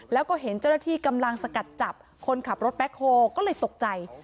แล้วก็เห็นเจ้าหน้าที่กำลังสกัดจับคนขับรถแบ็คโฮก็เลยตกใจ